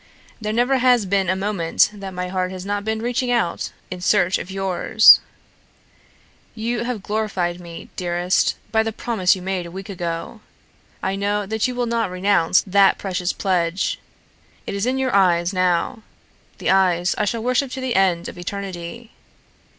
There never has been a moment that my heart has not been reaching out in search of yours. You have glorified me, dearest, by the promise you made a week ago. I know that you will not renounce that precious pledge. It is in your eyes now the eyes I shall worship to the end of eternity.